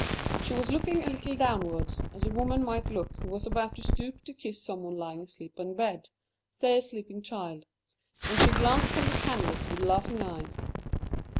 She was looking a little downwards, as a woman might look who was about to stoop to kiss someone lying asleep in bed say a sleeping child and she glanced from the canvas with laughing eyes.